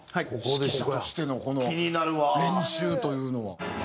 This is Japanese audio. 指揮者としてのこの練習というのは。